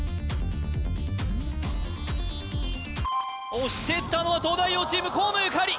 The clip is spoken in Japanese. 押してったのは東大王チーム河野ゆかり